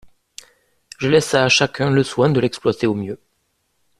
Je laisse à chacun le soin de l’exploiter au mieux.